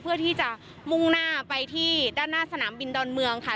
เพื่อที่จะมุ่งหน้าไปที่ด้านหน้าสนามบินดอนเมืองค่ะ